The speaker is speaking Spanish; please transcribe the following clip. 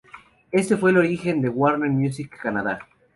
Este fue el origen de Warner Music Canadá.